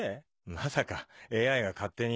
まさかＡＩが勝手に。